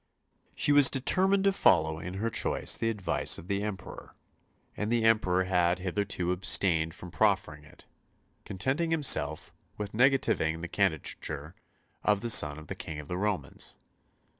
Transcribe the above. She was determined to follow in her choice the advice of the Emperor; and the Emperor had hitherto abstained from proffering it, contenting himself with negativing the candidature of the son of the King of the Romans.